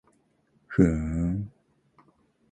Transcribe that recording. ふーん